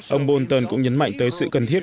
ông bolton cũng nhấn mạnh tới sự cần thiết